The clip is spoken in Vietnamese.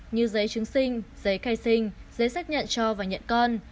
như giấy chứng sinh giấy khai sinh giấy xác nhận cho và nhận con